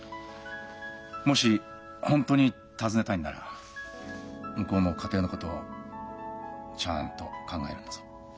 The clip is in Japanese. もし本当に訪ねたいんなら向こうの家庭のことをちゃんと考えるんだぞ。